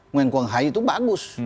nguyen kuang hai itu bagus